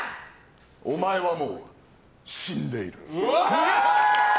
お前はもう死んでいる。